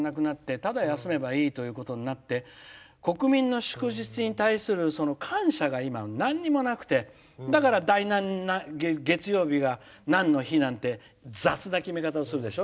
ただ休めばいいとなって国民の祝日に対する感謝が何もなくてだから、第何月曜日がなんの日なんて雑な決め方をするでしょ。